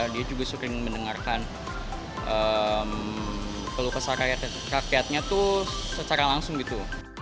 dia juga sering mendengarkan keluh kesah rakyatnya tuh secara langsung gitu